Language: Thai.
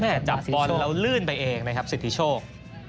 จับบอลแล้วลื่นไปเองนะครับสิทธิโชค